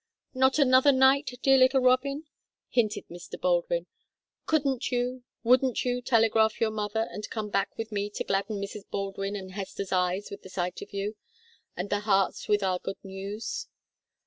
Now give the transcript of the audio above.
"Not another night, dear little Robin?" hinted Mr. Baldwin. "Couldn't you, wouldn't you, telegraph your mother, and come back with me to gladden Mrs. Baldwin and Hester's eyes with the sight of you, and their hearts with our good news?"